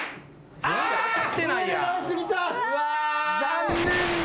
残念だ。